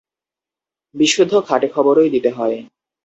বিশুদ্ধ খাঁটি খবরই দিতে হয়।